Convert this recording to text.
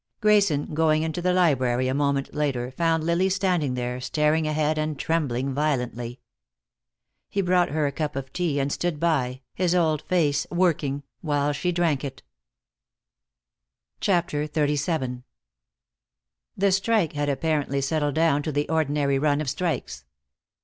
Grayson, going into the library a moment later, found Lily standing there, staring ahead and trembling violently. He brought her a cup of tea, and stood by, his old face working, while she drank it. CHAPTER XXXVII The strike had apparently settled down to the ordinary run of strikes.